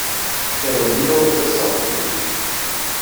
Iḍelli ur ḍḍiseɣ zik.